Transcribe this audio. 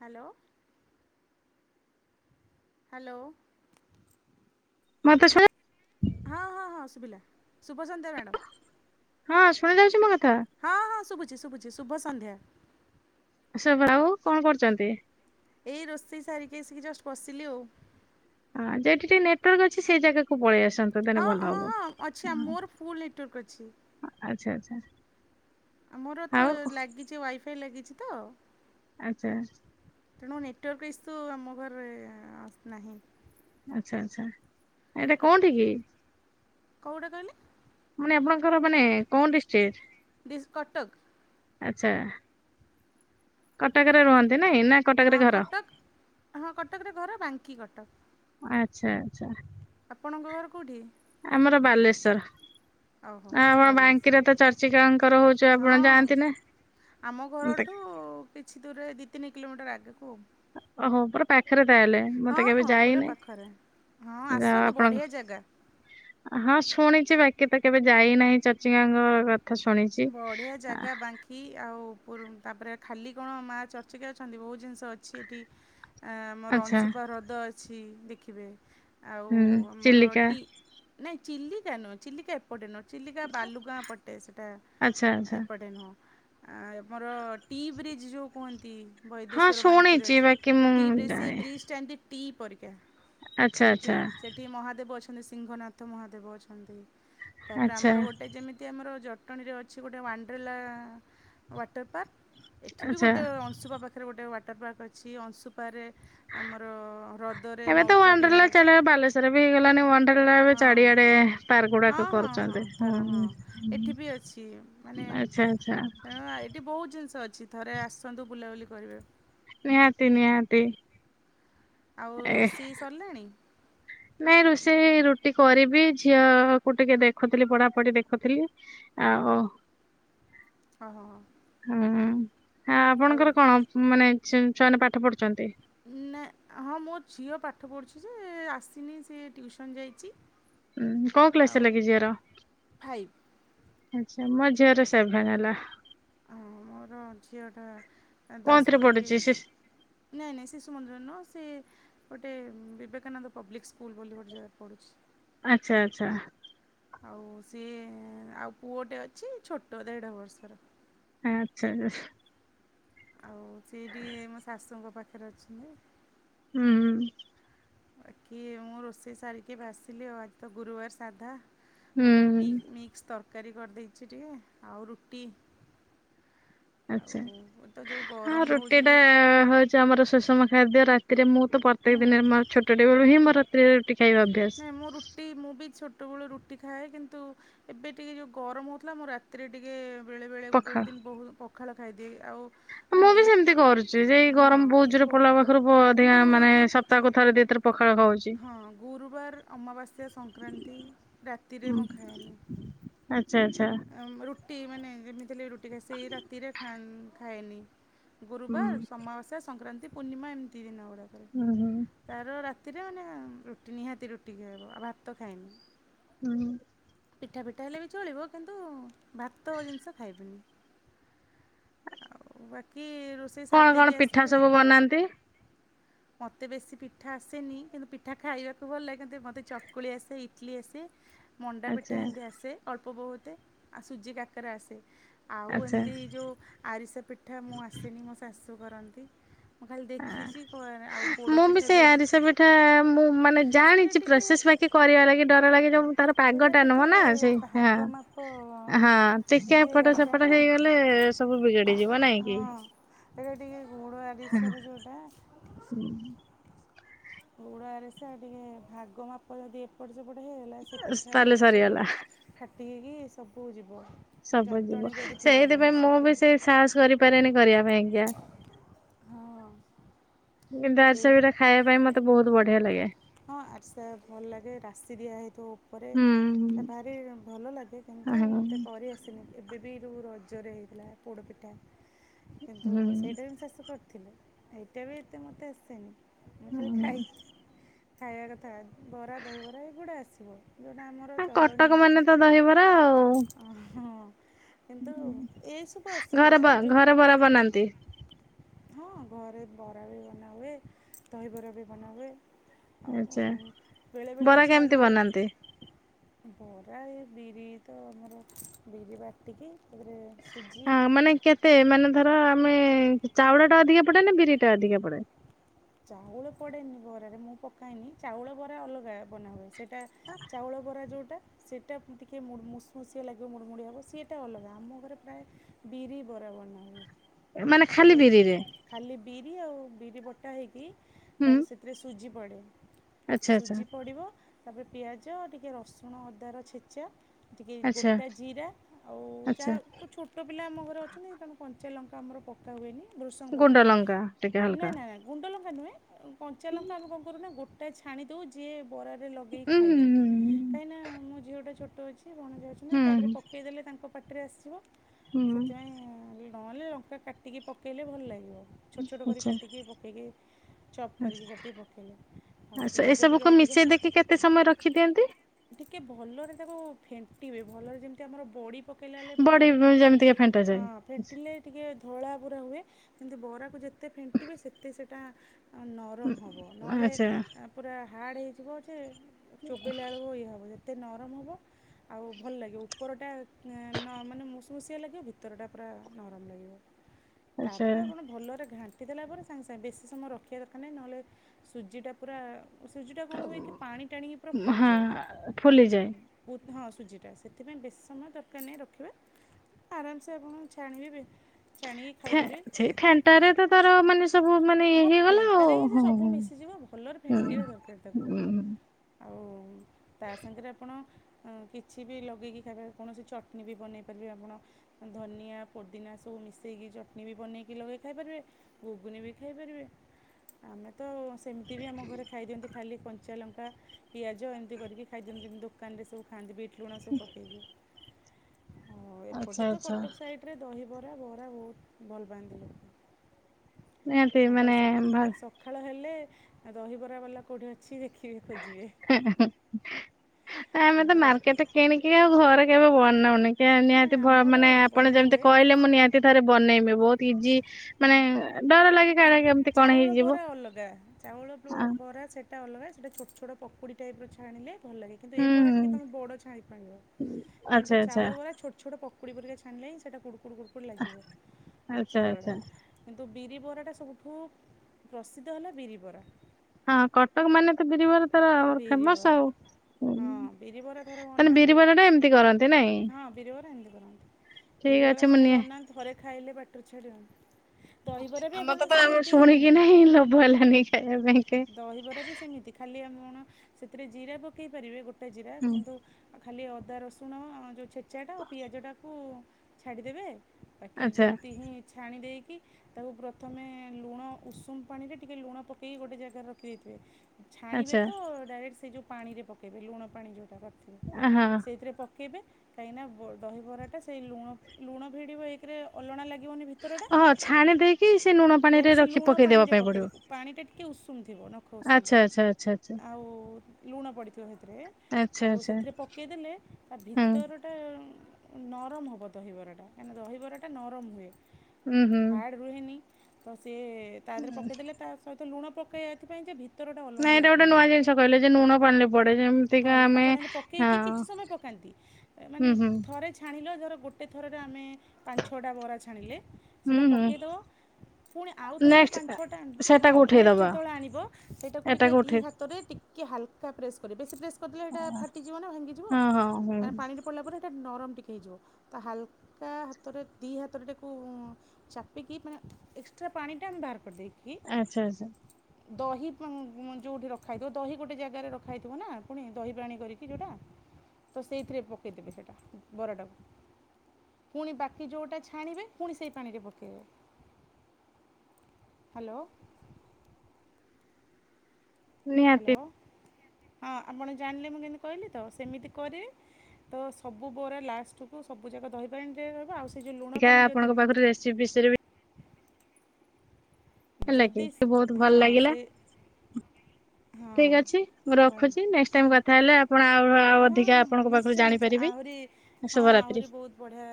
Hello! Hello. ମତେ ସ ହଁ ହଁ ହଁ ଶୁଭିଲା ସୁଭସନ୍ତ ମ୍ୟାଡ଼ାମ। ହଁ ଶୁଣି ଯାଉଛି ମୋତ ହଁ ହଁ ଶୁଭୁଛି ଶୁଭୁଛି ଶୁଭ ସଂନ୍ଧ୍ୟା। ଆ ସେ ଭାଉ କଣ କରୁଛନ୍ତି? ଏଇ ରୋଷେଇ ସାରିକି ଆସିକି ଜଷ୍ଟ ବସିଲି ଆଉ। ହଁ ଯଉଠି ଟିକେ ନେଟୱାର୍କ ଅଛି ସେଇ ଜାଗାକୁ ପଳେଇ ଆସଛି। ନ୍ତଲେ ହଁ ଭଲ ହଁ ହବ ହଁ ଅଛି ମୋର ଫୁଲ୍ ନେଟୱାର୍କ ଅଛି ଆଚ୍ଛା ଆଚ୍ଛା। ମୋର ତ ଆଉ ଲାଗିଛି ୱାଇଫାଇ ଲାଗିଛି ତ ଆଚ୍ଛା। ତେଣୁ ନେଟୱର୍କ ଇସ୍ ତୁ ଆମ ଘର ନାହିଁ। ଆଚ୍ଛା ଆଛା ଏଇଟା କୋଉଠ କି? କୋଉଟା ଗଲେ ମାନେ ଆପଣଙ୍କର ମାନେ କୋଉଠି ଷ୍ଟଟ? ଡି କଟକ ଆଚ୍ଛା। କଟାକରେ ରୁହନ୍ତି। ନାଇଁ ନା କଟକରେ ହଁ ଘର? କଟକ ହଁ କଟକରେ ଘର ବାଙ୍କି କଟକ। ଆଛା ଆଛା। ଆପଣଙ୍କ ଘର କୋଉଠି? ଆମର ବାଲେଶ୍ଵର ଓହୋ ହୋ ଆ ଆପଣ ବାଲେଶ୍ୱର ବାଙ୍କିରେ ତ ଚର୍ଚିକାଙ୍କର ହଉଛୁ ଆପଣ ହଁ ଯାଆନ୍ତି ନା? ଆମ ଘରଠୁ କିଛି ଦୂରରେ ଦି ତିନି କିଲୋମିଟର ଆଗ ଓହୋ ପୁରା ପାଖରେ। ତାହେଲେ ମୁଁ ତ ହଁ କେବେ ହଁ ପୁରା ଯାଇନି ପାଖରେ ହଁ ଯାହା ହଉ ଆସନ୍ତୁ ଆପଣଙ୍କ ବଢିଆ ଜାଗା। ହଁ ଶୁଣିଛି ବାକି ତ କେବେ ଯାଇନାହିଁ ଚଚିଙ୍ଗାଙ୍କ କଥ ବଢିଆ ଜାଗା ବାଙ୍କି ଆଉ। ତାପରେ ଖାଲି କଣ ମାଆ ଚର୍ଚ୍ଚକେ ଅଛନ୍ତି ବହୁତ ଜିନିଷ ଅଛି ଏଠି। ଆ ମୋର ଆଚ୍ଛା ଅଂଶୁପା ହ୍ରଦ ଅଛି, ଦେଖିବେ। ଆଉ ହୁଁ ଆମର ଚିଲିକା। ଟି ନାଇଁ ଚିଲିକା ନୁହଁ ଚିଲିକା ଏପଟେ ନୁହଁ ଚିଲିକା ବାଲୁଗାଁ ପଟ ନା ଆଚ୍ଛା ଆଚ୍ଛା। ଏପଟେ ନୁହଁ ଆମର ଟି ବ୍ରିଜ୍ ଯୋଉ କୁହନ୍ତି। ହଁ ବୈଦେଶ୍ଵର ବାଙ୍କିରେ ଶୁଣିଛି ଅଛି, ବାକି ମୁଁ ଟି ବ୍ରିଜ ସେଇ ଜାଣେ ବ୍ରିଜଟା ଏମିତି ଟି ପରିକା। ଆଚ୍ଛା ସେଠି ଆଚ୍ଛା ସେଠି ମହାଦେବ ଅଛନ୍ତି ସିଂଘନାଥ ମହାଦେବ ଅଛନ୍ତି। ତାପରେ ଆଚ୍ଛା ଆମର ଗୋଟେ ଯେମିତି ଆମର ଜ ଜଟଣୀରେ ଅଛି ଗୋଟେ ୱାଣ୍ଡରଲା ୱାଟର୍ ପାର୍କ। ଏଠି ବି ଆଚ୍ଛା। ଗୋଟେ ଅଂଶୁପା ପାଖରେ ଗୋଟେ ୱାଟର ପାର୍କ ଅଛି, ଅଂଶୁପାରେ ଆମର ହ୍ରଦରେ ଏବେ ତ ନୌକା ବିହାର ୱାଣ୍ଡ୍ରଲା ଅଛି ଚାଲ ବାଲେଶ୍ଵରରେ ବି ହେଇଗଲାଣି ୱାଣ୍ଡ୍ରଲା ଏବେ ହଁ ଚାରିଆଡେ ଏ ପାରଗୁଡ଼ା ହଁ ହଁ ପେପର ଚାଲେ, ତାର ହଁ ଏଠି ବି ଅଛି, ମାନେ ତେଣୁ ଏଠି ବହୁତ ଜିନିଷ ଅ ଏଠି ଥରେ ଆସନ୍ତୁ ବୁଲାବୁଲି କରିବେ। ନିହାତି ନିହାତି। ଆଉ ଏ ରୋଷେଇ ସରିଲାଣି? ନାଇଁ ରୋଷେଇ ରୁଟି କରିବି, ଝିଅ କୁ ଟିକେ ଦେଖୁଥିଲି ପଢାପଢି ଦେଖୁଥିଲି। ଆ ଓହ। ଓ ହୋ ହ। ହଁ ଆପଣଙ୍କର କଣ, ମାନେ ଛୁ-ଛୁଆମାନେ ପାଠ ପଢୁଛନ୍ତି? ନା ହଁ ମୋ ଝିଅ ପାଠ ପଢ଼ୁଛି ଯେ ଆସିନି ସେ ଟିୟୁସନ ଯାଇଛି। ଉଁ କଉ କ୍ଲାସ ଆଉ ହେଲାକି ଝିଅର? ଫାଇଭ୍ ଆଛା ମୋ ଝିଅର ସେଭେନ୍‌ ହେଲା। ହଁ ମୋର ଝିଅଟା ଦଶ କୋଉଥିରେ ପୁରିକି ପଢୁଛି ଏଗାର ସେ? ସ ନାଇଁ ନାଇଁ ଶିଶୁ ମନ୍ଦିର ନୁହଁ, ସେ ଗୋଟେ ବିବେକାନନ୍ଦ ପବ୍ଲିକ୍ ସ୍କୁଲ ବୋଲି ଗୋଟେ ଜାଗା ପଢୁଛି। ଆଛା ଆଛା। ଆଉ ସିଏ ଆଉ ପୁଅଟେ ଅଛି ଛୋଟ ଦେଢ ବର୍ଷର। ଆଛା। ଆଉ ସେ ଟିକେ ମୋ ଶାଶୁଙ୍କ ପାଖରେ ଅଛନ୍ତି। ହୁଁ। ବାକି ମୁଁ ରୋଷେଇ ସାରିକି ଏବେ ଆସିଲି ଆଉ ଆଜି ତ ଗୁରୁବାର ସାଧା ଗୋଟେ ହୁଁ ମି-ମିକ୍ସ ତରକାରୀ କରିଦେଇଛି ଟିକେ ଆଉ ରୁଟି। ଆଛା ଆଉ ତ ଯୋଉ ହଁ ଗରମ ହଉଛି ରୁଟି ଟା ଏଠି ହଉଛି ଆମର ସୁଷମ ଖାଦ୍ୟ, ରାତିରେ ମୁଁ ହୁଁ ପ୍ରତେକ ଦିନ ମୋ ଛୋଟ ଟେ ବେଳୁ ହିଁ ମୋର ରାତିରେ ରୁଟି ଖାଇବା ଅଭ୍ୟାସ। ନାଇଁ ମୁଁ ରୁଟି ମୁଁ ବି ଛୋଟ ଛୋଟବେଳୁ ରୁଟି ଖାଏ କିନ୍ତୁ ଏବେ ଟିକେ ଯେଉଁ ଗରମ ହେଉଥିଲା ମୁଁ ରାତିରେ ଟିକେ ବେଳେ ବଳେ ଗୋଟେ ପଖାଳ ଗୋଟେ ଦିନ ବହୁ ପଖାଳ ଖାଇ ଏ ଆଉ ମୁଁ ମାନେ ବି ଏ ସେମିତି କରୁଛି ଯେ ଏଇ ହଁ ଗରମ ବହୁତ ଗରମ, ଆଉ କିନ୍ତୁ ଯୋଉ ତା କଥାରେ ଏଥର ପଖାଳ ଖାଉଛି। ବାର ଅମାବାସ୍ୟା, ସଂକ୍ରାନ୍ତି, ରାତିରେ ମୁଁ ଖାଏନି। ଆଚ୍ଛା ଆଚ୍ଛା ରୁଟି ମାନେ ଯେମିତି ହେଲେ ରୁଟି ଟା ସେଇ ରାତିରେ ଖାନ୍‌ ଖାଏନି। ହୁଁ ଗୁରୁବାର, ଅମାବାସ୍ୟା, ସଂକ୍ରାନ୍ତି, ପୂର୍ଣ୍ଣିମା ଏମିତି ଦିନ ଗୁଡାକରେ, ହୁଁ ତାର ରାତି ରାତିରେ ମାନେ ରୁଟି ନିହାତି ରୁଟି ଖାଇବ ଆଉ ଭାତ ଖାଇନି। ହୁଁ। ପିଠା ପିଠା ହେଲେ ବି ଚଳିବ କିନ୍ତୁ ଭାତ ଜିନିଷ ଖାଇବିନି, ଆଉ ବାକି ରୋଷେଇ କଣ କଣ ପିଠା ସବୁ ବନାନ୍ତି? ହଁ [inaudible] ମତେ ବେଶୀ ପିଠା ଆସେନି କିନ୍ତୁ ପିଠା ଖାଇବାକୁ ଭଲ ଲାଗେ କିନ୍ତୁ ମତେ ଚକୁଳି ଆସେ, ଇଟିଲି ଆସେ ମଣ୍ଡା ପିଠା ଆଚ୍ଛା ଏମିତି ଆସେ ଅଳ୍ପ ବହୁତେ ଆଉ ସୁଜି କାକରା ଆସେ। ଆଉ ଆଚ୍ଛା ଏମିତି ଯୋଉ ଆରିସା ପିଠା ମୁଁ ଆସିନି ମୋ ଶାଶୁ କରନ୍ତି। ମୁଁ ଖାଲି ଦେଖିଛି ଆଉ ମୁଁ ବି ପୋଡ଼ପିଠା ସେ ଏବେ ଆରିସା ପିଠା ମୁଁ ମାନେ ସେଇଟା ଜାଣିଛି ଟିକେ ପ୍ରସେସ୍ ପାଇଁ କିଛି କରିବା ଲାଗି ଡର ଲାଗେ ଯୋଉ ତାର ସେଇଟା ପାଗଟା ନୁହ ଟିକେ ନା ସେଇ ହଁ। ଭାଗ ମାପ ହଁ ଟିକେ ଏପଟ ଦରକାର ସେପଟ ନା ହେଇଗଲେ ସବୁ ବିଗଡି ଯିବ ନାଇଁ କି? ଏଟା ଟିକେ ଗୁଡ ଆରିଶାରେ ଯୋଉଟା [unintelligible] ଗୁଡ ଆରିସା ଟିକେ ଭାଗ ମାପ ଜଦି ଏପଟ ସେପଟ ହେଲା ଯେ ସେ ତାହେଲେ ପିଠାଗୁଡ଼ାକ ସବୁ ସରିଗଲା ଫାଟିକି ସବୁ ଯିବ। ସବୁ ଯିବ, ଯନ୍ତଣୀ ଯଦି ଠିକ୍ ହେବନି ସେଇଥିପାଇଁ ମୁଁ ବି ସେଥିପାଇଁ ସେ ସାହସ କରିପାରେନି କରିବା ପାଇଁ କା। ହଁ। ଆରିସା ସେଇଥି ପିଠା ଖାଇବା ପାଇଁ ମତେ ବହୁତ୍ ବଢିଆ ଲାଗେ। ହଁ ଆରିସା ଭଲ ଲାଗେ ରାଶି ଦିଆହଇଥିବ ଉପରେ, ହୁଁ ଭାରି ଭଲ ଲାଗେ କିନ୍ତୁ ହୁଁ ମତେ କରି ଆସିିନି ଏବେ ଵି। ବିରୁ ରଜରେ ହେଇଥିଲା ପୋଡ଼ପିଠା କିନ୍ତୁ ହୁଁ ସେଇଟା ବିଁ ଶେଷ। ଥିଲେ, ଏଇଟା ବି ଏତେ ମୋତେ ଆସେନି ମୁଁ ଖାଲି ହୁଁ ଖାଇଛି। ଖାଇବା କଥା ବରା, ଦହିବରା ଏଇଗୁଡା ଆସିବ। ଯୋଉଟା ଆମର ଚଳଣି କଟକ ଆଉ ମାନେ ତ ଦହିବରା ହଁ। କିନ୍ତୁ ଏସବୁ ଆସିବ ଘର ପା ମାନେ ଯେଉଁ ଘର ବରା ବନାନ୍ତି? ହଁ, ଘରେ ବରା ବି ବନାହୁଏ ଦହିବରା ବି ବନାହୁଏ। ଆଚ୍ଛା, ବରା ଇଚ୍ଛା କେମିତି ବନାନ୍ତି? ପ୍ରାୟ ବିରି ତ ଆମର ବିରି ବାଟିକି। ତା'ପରେ ସୁଜି ହଁ ମାନେ କେତେ, ମାନେ ଧର। ଆମେ ଚାଉଳଟା ଅଧିକା ପଡେ ନା ବିରିଟା ଅଧିକା ପଡେ? ଚାଉଳ ପଡେନି ବରାରେ ମୁଁ ପକାଏନି ଚାଉଳ ବରା ଅଲଗା ବନା ହୁଏ ସେଠ୍ ଟା, ଚାଉଳ ବରା ଯେଉଟା। ସେଇଟା ଟିକେ ମୁସମସିଆ ଲାଗିବ ମୁଡ଼ିମୁଡ଼ିଆ ହେବ ସିଏଟା ଅଲଗା ଆମ ଘରେ ପ୍ରାୟ ବିରି ବର।। ମାନେ ବିରିରେ ଖାଲି ବିରି ଆଉ ବିରି ବଟା ହେଇକି। ହୁଁ ତାହେଲେ ସେଥିରେ ସୁଜି ପଡେ, ଆଚ୍ଛା ଆଚ୍ଛା ସୁଜି ପଡିବ। ତାପରେ ପିଆଜ ଟିକେ ରସୁଣ ଅଦାର ଛେଚା। ଟିକେ ଆଚ୍ଛା ଗୋଟା ଜିରା, ଆଉ ଆଚ୍ଛା ଯାହାକୁ ଛୋଟ ପିଲା ଆମ ଘରେ ଅଛନ୍ତି ତାଙ୍କ ସେ ଲଙ୍କା ଆମର ପକ୍କା ହୁଏନି ବୃସଙ୍ଗ ପତ୍ର ଗୁଣ୍ଡ ଲଙ୍କା ଟିକେ ନା ହାଲକା ନା ଗୁଣ୍ଡଲଙ୍କା ନୁହେଁ। କଞ୍ଚା ଉଁ ଲଙ୍କା ଆମେ କଣ କରୁନା ଗୋଟା ଛାଣିଦେଉ ଯିଏ। ବରାରେ ଲଗେଇି ହୁଁ ଖାଇବେ, ହୁଁ କାହିଁକିନା ମୋ ଝିଅଟା ଛୋଟ ଅଛି। [unintelligible] ହୁଁ ପକେଇ ଦେଲେ ତାଙ୍କ ପାଟିରେ ଆସିବ। ହୁଁ ହୁଁ ନହଲେ ଲଙ୍କା କାଟିକି ପକେଇଲେ ଭଲ ଲାଗିବ ଛୋଟ ଛୋଟ କରି ଆଚ୍ଛା କାଟିକି ପକେଇକି। ଚପ୍ କରିକି କାଟି ପକେଇଲେ, ଆଉ ଆଚ୍ଛା ପିଆଜ ଟିକେ ଏସବୁକୁ ଅଧିକା। ମିଶେଇ ଦେଇକି କେତେ ସମୟ ରଖିଦିଅନ୍ତି? ଟିକେ ଭଲରେ ତାକୁ ଫେଣ୍ଟିବେ ଭଲରେ ଯେମିତି ଆମର ବଡି। ପକେଇଲା ହେଲେ ବଡି ଭଲରେ ଫେଣ୍ଟିଲା ଯେମିତିକା ଫେଣ୍ଟା ହଁ ଯାଏ ଫେଣ୍ଟିଲେ ଟିକେ ଧଳା ପୁରା ହୁଏ। କିନ୍ତୁ ବରାକୁ ଯେତେ ଫେଣ୍ଟିବେ ସେତେ ସେଟା ନରମ ହେବ ନହେଲେ ଆଚ୍ଛା ପୁରା ହାର୍ଡ଼ ହେଇଯିବ ଯେ, ଚୋବେେଇଲା ବେଳକୁ ଇଏ ହେବ ସେ ଏତେ ନରମ ହେବ ଆଉ ଭଲ ଲାଗିବ, ଉପରଟା ମାନେ ମୁସମୂସିଆ ଲାଗିବ ଭିତରଟା ପୁରା ନରମ ଲାଗିଵ ତା ଆଚ୍ଛା। ପରେ ଆପଣ ଭଲରେ ଘାଣ୍ଟି ଦେଲାପରେ ସାଂଗେ ସାଂଗେ ବେଶୀ ସମୟ ରଖିବା ଦରକାର ନାହିଁ ନହେଲେ ସୁଜିଟା ପୁରା ସୁଜିଟା କଣ ହୁଏକି ପାଣି ଟାଣିକି ପୁରା ଫୁଲି ହଁ ଯାଏ, ଫୁଲିଯାଏ ହଁ। ସୁଜିଟା ସେଥିପାଇଁ ବେଶୀ ସମୟ ଦରକାର ନାହିଁ ରଖିବା, ଆରାମସେ ଆପଣ ଛାଣିବେ। ଛାଣିକି ଫେ ଖାଇପାରିବେ ସେଇ ଫେଣ୍ଟ। ରେ ତ ତାର ମାନେ ସବୁ ମାନେ ଇଏ ହଁ ହେଇଗଲା ଆଉ ଫେଣ୍ଟାରେ ହିଁ ସେ ହୁଁ ସବୁ ମିଶିଯିବ ଭଲରେ ହୁଁ। ଫେଣ୍ଟିବା ଦରକାର ତାକୁ। ହୁଁ ଆଉ, ତା ସାଙ୍ଗରେ ଆପଣ କିଛି ବି ଲଗେଇକି ଖାଇବା କୌଣସି ଚଟନୀ ବି ବନେଇ ପାରିବେ ଆପଣ ଧନିଆ ପୋଦିନା ସବୁ ମିଶାଇକି ଚଟଣି ବି ବନେଇକି ଲଗେଇ ଖାଇପାରିବେ ଘୁଗୁନି ବି ଖାଇପାରିବେ। ଆମେ ତ ସେମିତି ବି ଆମ ଘରେ ଖାଇଦିଅନ୍ତି ଖାଲି କଞ୍ଚା ଲଙ୍କା, ପିଆଜ ଏମିତି କରିକି ଖାଇ ଯେମିତି ଦୋକାନରେ ସବୁ ଖାଆନ୍ତି ବିଟ୍ ଲୁଣ ସବୁ ପକେଇକି। ହଁ ଆଚ୍ଛା ଏପଟେ ତ ଆଚ୍ଛା କଟକ ସାଇଟ୍ ରେ ଦହି ବରା ବରା ବହୁତ ଭଲ ପାଆନ୍ତି ଲୋକ। ନିହାତି ମାନେ ତାଙ୍କର-ସ-ସକାଳ ହେଲେ ଦହିବରା ବାଲା କୋଉଠି କିଛି ଦେଖିବେ ଖୋଜିବେ ଆମେ ତ ତାଙ୍କର ମାର୍କେଟ କିଣିକି ଆଉ ଘରେ କେବେ ବନ ଉନି। ନା ନା ଆମର ନିହାତି-ଭ-ମାନେ ଆପଣ ଯେମିତି ବନାହୁଏ କହିଲେ ମୁଁ ନିହାତି ଥରେ ବନେଇବି ବହୁତ ଇଜି ମାନେ ଡର ଲାଗେ କାଳେ କେମିତି କଣ ଚାଉଳ ହେଇଯିବ ବରା ଅଲଗା ଚାଉଳ ବରା ସେଟା ଅଲଗା ସେଇଟା ଛୋଟଛୋଟ ପକୁଡ଼ି ଟାଇପ୍ ର ଛାଣିଲେ ଭଲ ଲାଗେ କିନ୍ତୁ ହୁଁ ଏ ବରା ଟିକେ ହୁଁ। ତମେ ବଡ ଛାଣି ପାରିବ କିନ୍ତୁ ଆଚ୍ଛା ଆଚ୍ଛା ଚାଉଳ ବରା ଛୋଟ ଛୋଟ ପ ପକୁଡ଼ି ପରିକା ଛାଣିଲେ ହିଁ ସେଟା କୁଡ଼କୁଡ଼ କୁଡ଼କୁଡ଼ ଲାଗିବ ଆଚ୍ଛା ଚାଉଳଟା ଆଚ୍ଛା କିନ୍ତୁ ବିରି ବରାଟା ସବୁଠୁ ପ୍ରସିଦ୍ଧ ହେଲା ବିରି ବରା। ହଁ କଟକ ମାନେ ତ ବିରିବରା ତାର ଫେମସ ବିରିବରା ଆଉ। ହଁ ବିରିବରା ଥରେ ତାହେଲେ ବନାନ୍ତୁ ବିରିବରା ଟା ଏମିତି କରନ୍ତି ନାଇଁ ହଁ ବିରିିବରା ଏମିତି ବନାନ୍ତି ଠିକ ଅଛି ବିରିିବରା ମୁଁ ଥନେ ନିହା ବନାନ୍ତୁ ଥରେ ଖାଇଲେ ପା ପାଟି ରୁ ଛାଡିବନି। ଆମ ତ ତ ଶୁଣିକି ବନେଇବେ ନାହିଁ ଲୋଭ ହେଲାନି ଖାଇବା ପାଇଁ। କେ ଦହିବରା ବି ସେମିତି ଖାଲି ଆପଣ ସେଥିରେ ଜିରା ପକେଇ ପାରିବେ ଗୋଟା ଜିରା କିନ୍ତୁ ଖାଲି ଅଦା ରସୁଣ ଯେଉଁ ଛେଚାଟା ପିଆଜଟାକୁ ଛାଡ଼ିଦେବେ ବାକି ଆଚ୍ଛା ଯେମିତି ହିଁ ଛାଣି ଦେଇ ତାକୁ ପ୍ରଥମେ ଲୁଣ ଉଷୁମ ପାଣିରେ ଟିକେ ଲୁଣ ପକେଇ ଗୋଟେ ଜାଗାରେ ରଖିଦେଇଥିବେ। ଛାଣିବେ ଆଚ୍ଛା ତ ଡାଇରେକ୍ଟ ସେ ଯୋଉ ପାଣି ରେ ପକେଇବେ ଲୁଣ ପାଣି ଯୋଉ [unintelligible] ହଁ ସେଇଥିରେ ପକେଇବେ କାହିଁକି ନା ଦହିିବରା ଟା ସେଇ ଲୁଣ ଲୁଣ ଭିଡିବ ଏକେରେ ଅଲଣା ଲାଗି ଓହ ଛାଣି ଦେଇକି ସେ ଲୁଣ ଦେନ୍ ପାଣିରେ ସେ ରଖି ଲୁଣ ପକେଇ ଦେବା ପାଣିରେ ପାଇଁ ପକାଇବେ ପଡିବ। ପାଣିଟା [unintelligible] ନଖ ଉଷୁମ ଆଚ୍ଛା ଆଚ୍ଛା ଆଚ୍ଛା ଆଚ୍ଛା ଆଉ ଲୁଣ ପଡ଼ିଥିବ ସେଥିରେ ଆଚ୍ଛା ଆଉ ଆଚ୍ଛା ସେଥିରେ ପକେଇଦେଲେ ତା ହୁଁ ଭିତରଟା [unintelligible] ନରମ ହେବ ଦହିବରାଟା କାହିଁକିନା ଦହିବରାଟା ନରମ ହୁଏ ଉଁ ହୁଁ ହାର୍ଡ଼ ରୁହେନି। ତ ସିଏ ତା ଦେହରେ ପକେଇ ଦେଲେ ତା ସହିତ ଲୁଣ ପକାଏ ଏଥିପାଇଁ ଯେ ଭି ନାଇଁ ଏଇଟା ଗୋଟେ ନୂଆ ଜିନିଷ କହିଲେ ଯେ ଲୁଣ ପାଣିରେ ପଡେ ହଁ ଆମେ ଲୁଣପାଣିରେ ହଁ ପକେଇକି କିଛି ସମୟ ପକାନ୍ତି ମନେ ହୁଁ ହୁଁ ଥରେ ଛାଣୀ [unintelligible] ଧର ଗୋଟେ ଥରରେ ଆମେ ପାଞ୍ଚ ଛଅଟା ବରା ଛାଣିଲେ ହୁଁ ସେଟା ହୁଁ ପକେଇ ଦବ ପୁଣି ଆଉଥରେ ଯୋଉ ପାଞ୍ଚ ନେକ୍ସଟ ଛଟା ହଁ ସେଟାକୁ ନେକ୍ସଟ୍ ଉଠେଇଦବା ଯେତେବେଳେ ଆଣିବ ସେଇଟାକୁ ଟିକେ ଏଟାକୁ ଦି ଉଠେଇ ହାତରେ ଟି କି ହାଲ ପ୍ରେସ୍ କରିବେ ବେସି ପ୍ରେସ୍ କରିଦେଲେ ଏଟା ଫାଟିଯିବ ନା ଭାଙ୍ଗିଯିବ ହଁ ହଁ ହୁଁ କାଇଁ ନା ପାଣିରେ ପଡିଲା ପରେ ଏଟା ନରମ ଟିକେ ହେଇଯିବ। ତ ହାଲକା ହାତରେ ଦି ହାତରେ ତାକୁ ଚାପିକି ମାନେ ଏକ୍ସଟ୍ରା ପାଣି ଟା ମୁଁ ବାହାର କରି ଦିଏଇ। ଆଚ୍ଛା ଆଚ୍ଛା। ଦହି ଉଁ-ଉଁ-ଯୋଉଠି ରଖା ହେଇଥିବ ଦହି ଗୋଟେ ଜାଗାରେ ରଖା ହେଇଥିବ ନା। ପୁଣି ଦହି ପାଣି କରିକି ଯୋଉଟା ତ ସେଥିରେ ପକେଇ ଦେବେ ସେଇଟା ବରା ଟାକୁ। ପୁଣି ବାକି ଯୋଉଟା ଛାଣିବେ ପୁଣି ସେଇ ପାଣିରେ ପକେଇବେ। ହାଲୋ। ନିହାତି ହ୍ୟାଲୋ ହଁ ଆପଣ ଜାଣିଲେ ମୁ କେମିତି କହିଲି ତ ସମିତି କରିବେ ତ ସବୁ ବରା ଲାଷ୍ଟକୁ ସବୁ ଯାକ ଦହି ପାଣିରେ ରହିବ ଆଉ ସେ ଯୋଉ ଲୁଣ [unintelligible] ପାଣି ଯଦି ଆପଣଙ୍କ ପାଖରୁ ରେସିପି ବିଷୟରେ ବି ହେଲା କି ଯଦି ବହୁତ ଭଲ ଲାଗିଲା। ହୁଁ ହଁ ଠିକ୍ ଅଛି ମୁଁ ବାଏ ରଖୁଛି ନେକ୍ସଟ୍ ହଁ ଟାଇମ୍ କଥା ହେଲେ ଆପଣ ଆଉ ଆଉ ହଁ ଅଧିକା ହଁ ହଁ ଆପଣଙ୍କ ପାଖରୁ ନିଶ୍ଚୟ ନିଶ୍ଚୟ ଜାଣିପାରିବି ଆହୁରି ଇ ହଁ ଶୁଭରାତ୍ରି। ଆହୁରି ବହୁତ ବଢିଆ।